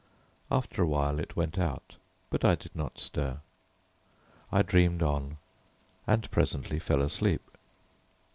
After a while it went out, but I did not stir. I dreamed on and presently fell asleep.